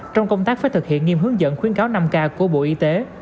trong công tác phải thực hiện nghiêm hướng dẫn khuyến cáo năm k của bộ y tế